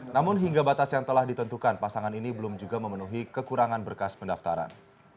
namun hingga batas yang telah ditentukan pasangan ini belum juga memenuhi kekurangan berkas pendaftaran